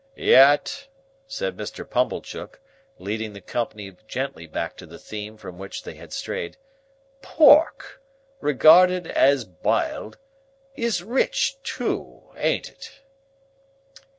"Yet," said Mr. Pumblechook, leading the company gently back to the theme from which they had strayed, "Pork—regarded as biled—is rich, too; ain't it?"